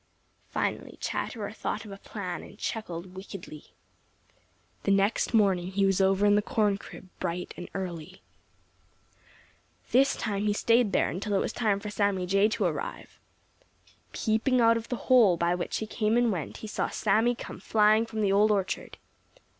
Finally Chatterer thought of a plan and chuckled wickedly. The next morning he was over in the corn crib bright and early. This time he stayed there until it was time for Sammy Jay to arrive. Peeping out of the hole by which he came and went, he saw Sammy come flying from the Old Orchard.